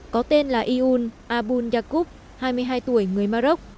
có tên là ioun abounyakoub hai mươi hai tuổi người mà rốc